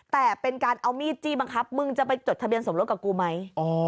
แต่เป็นการเอามีดจี้บังคับมึงจะไปจดทะเบียนสมรสกับกูไหม